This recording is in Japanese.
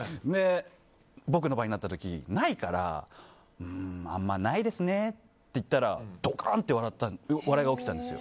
僕の番になった時、ないからうーんあんまないですねって言ったらドカン！と笑いが起きたんです。